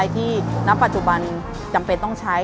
ที่ณปัจจุบันจำเป็นต้องใช้